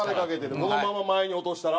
このまま前に落としたら？